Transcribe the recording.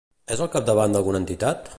És al capdavant d'alguna entitat?